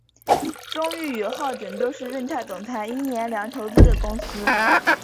中裕与浩鼎都是润泰总裁尹衍梁投资的公司。